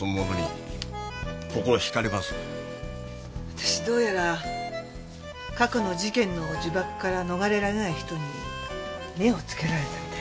私どうやら過去の事件の呪縛から逃れられない人に目をつけられたみたいで。